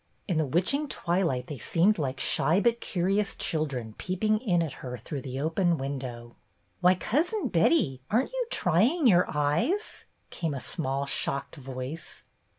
In the witching twilight they seemed like shy but curious children peeping in at her through the open window. "Why, Cousin Betty, are n't you trying your eyes?" came a small shocked voice.